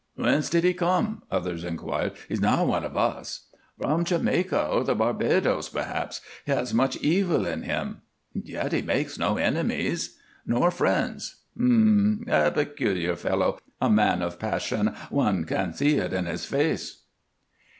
"Whence did he come?" others inquired. "He is not one of us." "From Jamaica, or the Barbadoes, perhaps. He has much evil in him." "And yet he makes no enemies." "Nor friends." "Um m! A peculiar fellow. A man of passion one can see it in his face."